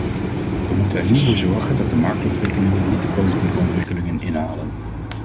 We moeten er nu voor zorgen dat de marktontwikkelingen niet de politieke ontwikkelingen inhalen.